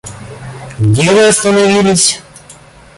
Где вы остановились?